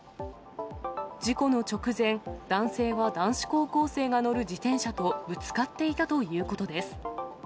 事故の直前、男性は男子高校生が乗る自転車とぶつかっていたということです。